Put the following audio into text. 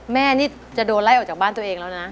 แม่นี่จะโดนไล่ออกจากบ้านตัวเองแล้วนะ